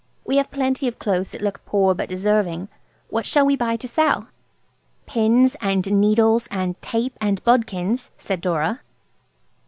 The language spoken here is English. We have plenty of clothes that look poor but deserving. What shall we buy to sell?" "Pins and needles, and tape and bodkins," said Dora.